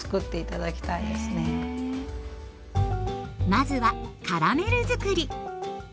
まずはカラメルづくり。